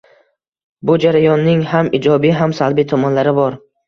Bu jarayonning ham ijobiy, ham salbiy tomonlari bor.